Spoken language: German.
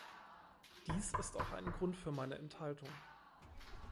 Dies ist auch ein Grund für meine Enthaltung.